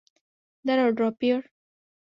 দাঁড়াও, ড্রপিয়র।